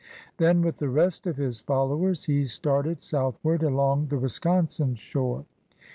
Then, with the rest of his followers he started southward along the Wisconsin shore.